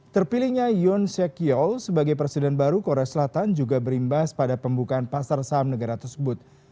terpilihnya yon sekiol sebagai presiden baru korea selatan juga berimbas pada pembukaan pasar saham negara tersebut